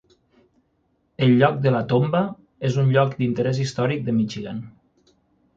El lloc de la tomba és un lloc d'interès històric de Michigan.